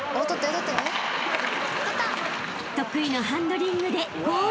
［得意のハンドリングでゴールへ］